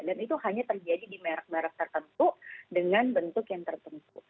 dan itu hanya terjadi di merek merek tertentu dengan bentuk yang tertentu